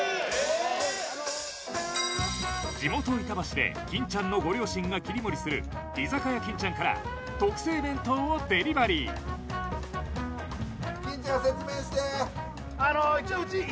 地元板橋で金ちゃんのご両親が切り盛りする居酒屋金ちゃんから特製弁当をデリバリーオリジナル？